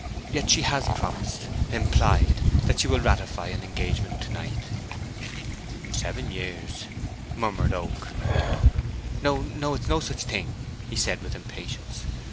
Yet she has promised—implied—that she will ratify an engagement to night." "Seven years," murmured Oak. "No, no—it's no such thing!" he said, with impatience.